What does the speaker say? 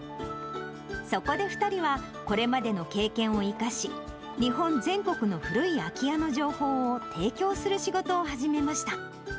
そこで２人はこれまでの経験を生かし、日本全国の古い空き家の情報を提供する仕事を始めました。